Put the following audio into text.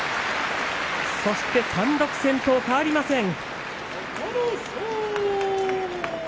そして単独先頭は変わりません。